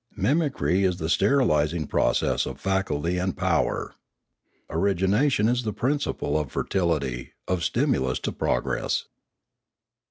Mimicry is the sterilising process of faculty and power. Origination is the principle of fertility, of stimulus to progress.